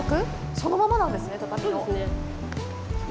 そのままなんですね、畳の。